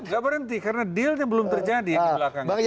gak berhenti karena dealnya belum terjadi di belakangnya